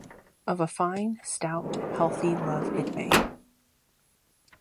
Of a fine, stout, healthy love it may.